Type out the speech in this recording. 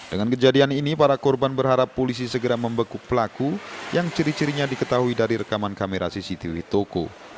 dengan kejadian ini para korban berharap polisi segera membekuk pelaku yang ciri cirinya diketahui dari rekaman kamera cctv toko